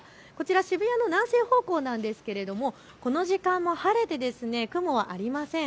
渋谷の南西方向なんですけれどもこの時間も晴れて雲はありません。